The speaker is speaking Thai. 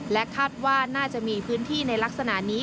คาดว่าน่าจะมีพื้นที่ในลักษณะนี้